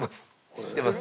知ってます